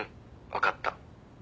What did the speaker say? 分かった。